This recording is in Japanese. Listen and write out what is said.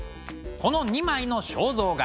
この２枚の肖像画